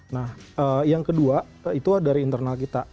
nah yang kedua itu dari internal kita